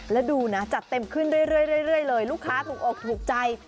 แล้วดูนะจัดเต็มขึ้นเรื่อยเลยลูกค้าถูกอกถูกใจ